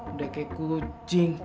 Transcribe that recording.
udah kayak kucing